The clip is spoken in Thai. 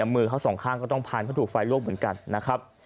มือเขาสองข้างก็ต้องพันเพราะถูกไฟลวกเหมือนกันนะครับ